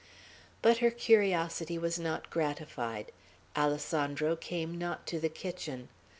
But her curiosity was not gratified. Alessandro came not to the kitchen.